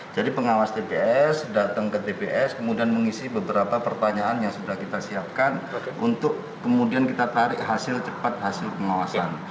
jadi pengawas tps datang ke tps kemudian mengisi beberapa pertanyaan yang sudah kita siapkan untuk kemudian kita tarik hasil cepat hasil pengawasan